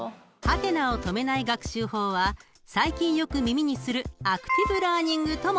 ［ハテナを止めない学習法は最近よく耳にするアクティブラーニングとも通じるものです］